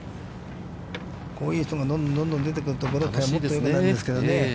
こういう人がどんどん出てくると、もっとよくなるんですけどね。